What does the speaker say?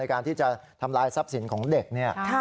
การที่จะทำลายทรัพย์สินของเด็กเนี่ย